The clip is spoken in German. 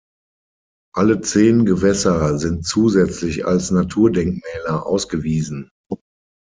Alle zehn Gewässer sind zusätzlich als Naturdenkmäler ausgewiesen.